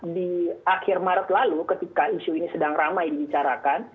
di akhir maret lalu ketika isu ini sedang ramai dibicarakan